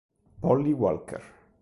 Polly Walker